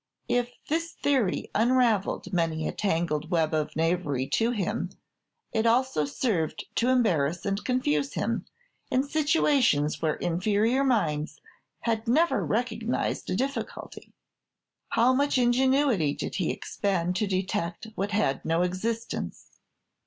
If this theory unravelled many a tangled web of knavery to him, it also served to embarrass and confuse him in situations where inferior minds had never recognized a difficulty! How much ingenuity did he expend to detect what had no existence!